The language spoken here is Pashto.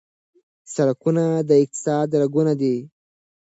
سرکونه د اقتصاد رګونه دي.